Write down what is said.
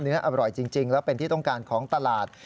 อร่อยจริงแล้วเป็นที่ต้องการของตลาด